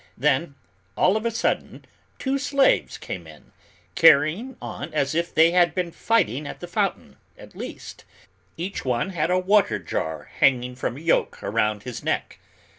Then all of a sudden two slaves came in, carrying on as if they had been fighting at the fountain, at least; each one had a water jar hanging from a yoke around his neck.